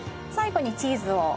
最後にチーズを。